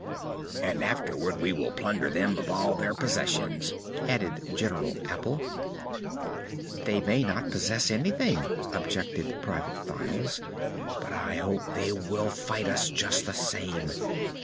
"And afterward we will plunder them of all their possessions," added General Apple. "They may not possess anything," objected Private Files; "but I hope they will fight us, just the same.